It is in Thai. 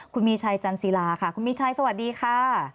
คุณมีชัยจันศิลาค่ะคุณมีชัยสวัสดีค่ะ